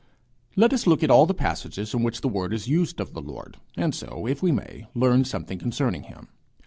Let us look at all the passages in which the word is used of the Lord, and so, if we may, learn something concerning him.